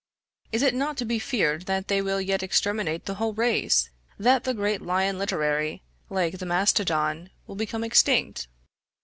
Is it not to be feared that they will yet exterminate the whole race, that the great lion literary, like the mastodon, will become extinct?